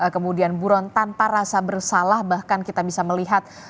kemudian buron tanpa rasa bersalah bahkan kita bisa melihat